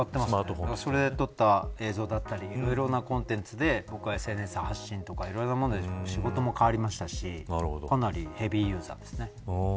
それで撮ったり映像だったりいろんなコンテンツで僕はＳＮＳで発信とかしてますし仕事も変わりましたしかなりヘビーユーザーですね。